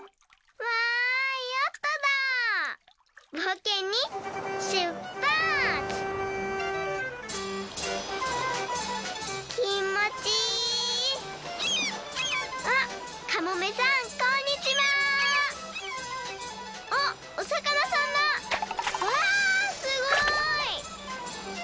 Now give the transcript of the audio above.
うわすごい！